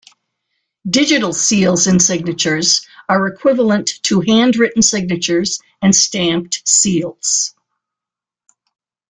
Digital seals and signatures are equivalent to handwritten signatures and stamped seals.